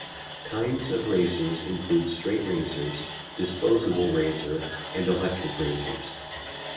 Kinds of razors include straight razors, disposable razor, and electric razors.